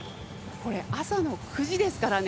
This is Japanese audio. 朝の９時ですからね。